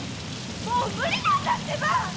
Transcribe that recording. もう無理なんだってば！